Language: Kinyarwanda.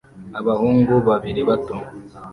Abahungu babiri bato